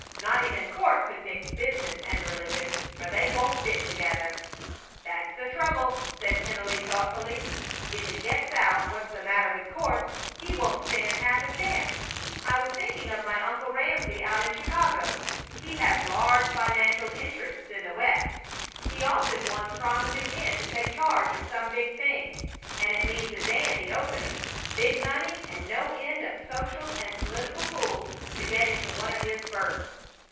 Not even Court could mix business and religion, for they won't fit together!" "That's the trouble," said Tennelly, thoughtfully. "If it gets out what's the matter with Court he won't stand half a chance. I was thinking of my uncle Ramsey, out in Chicago. He has large financial interests in the West; he often wants promising men to take charge of some big thing, and it means a dandy opening; big money and no end of social and political pull to get into one of his berths.